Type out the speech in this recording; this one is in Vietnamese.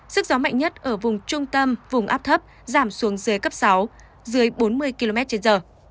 sức gió mạnh nhất ở vùng trung tâm vùng áp thấp giảm xuống dưới cấp sáu dưới bốn mươi km trên giờ